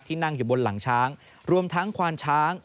ที่นั่งอยู่บนหลังช้าง